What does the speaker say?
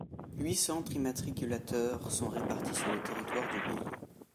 Huit centres immatriculateurs sont répartis sur le territoire du pays.